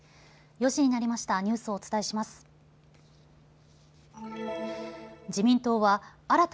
４時になりました。